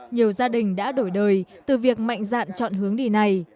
nhiều gia đình đã đổi đời từ việc mạnh dạn chọn hướng đi này